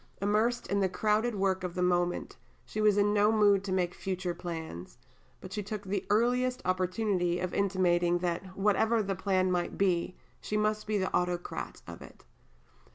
Immersed in the crowded work of the moment, she was in no mood to make future plans; but she took the earliest opportunity of intimating that, whatever the plan might be, she must be the autocrat of it.